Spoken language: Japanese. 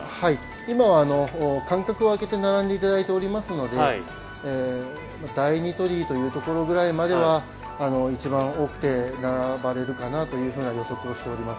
今、間隔を空けて並んでいただいていますので第二鳥居というところまでは一番多くて並ばれるかなという予測をしております。